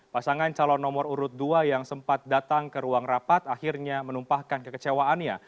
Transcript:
pasangan calon nomor urut dua yang sempat datang ke ruang rapat akhirnya menumpahkan kekecewaannya